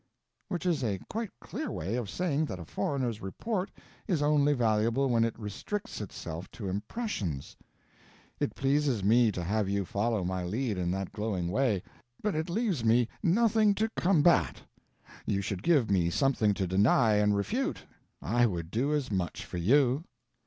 ] which is a quite clear way of saying that a foreigner's report is only valuable when it restricts itself to impressions. It pleases me to have you follow my lead in that glowing way, but it leaves me nothing to combat. You should give me something to deny and refute; I would do as much for you.